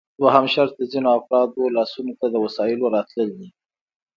دوهم شرط د ځینو افرادو لاسونو ته د وسایلو راتلل دي